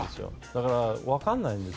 だから分かんないんです。